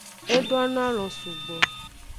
E donoalon sugbo.